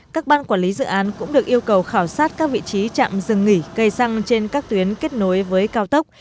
các ban quản lý dự án cũng được yêu cầu khảo sát các vị trí chạm dừng nghỉ cây xăng